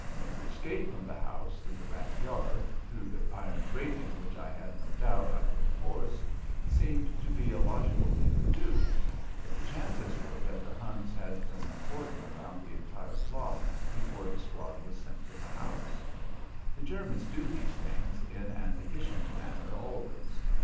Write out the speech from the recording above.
To escape from the house through the backyard through the iron grating, which I had no doubt I could force, seemed to be a logical thing to do, but the chances were that the Huns had thrown a cordon around the entire block before the squad was sent to the house. The Germans do these things in an efficient manner always.